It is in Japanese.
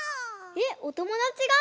えっおともだちが？